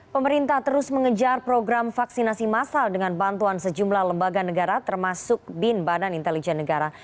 pemerintah terus mengejar program vaksinasi masal dengan bantuan sejumlah lembaga negara termasuk bin badan intelijen negara